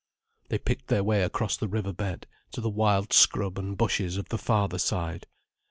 They picked their way across the river bed, to the wild scrub and bushes of the farther side.